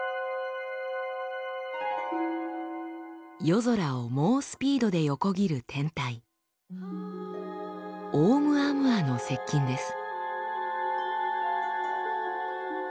夜空を猛スピードで横切る天体「オウムアムア」の接近です。